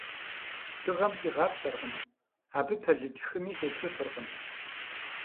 Дыгъэм сигъаплъэркъым, абы пэлыд хыми сеплъыфыркъым.